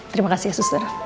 terima kasih ya sister